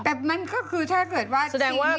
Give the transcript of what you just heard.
แต่มันก็คือถ้าเกิดว่าที่เรียบร้อย